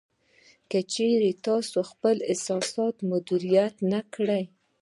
که چېرې تاسې خپل احساسات مدیریت نه کړئ